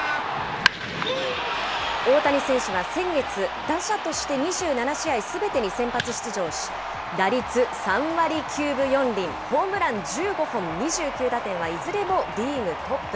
大谷選手は先月、打者として２７試合すべてに先発出場し、打率３割９分４厘、ホームラン１５本、２９打点はいずれもリーグトップ。